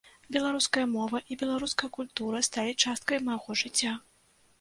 Беларуская мова і беларуская культура сталі часткай майго жыцця.